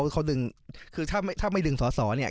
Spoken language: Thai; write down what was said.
คือถ้าไม่ดึงสอเนี่ย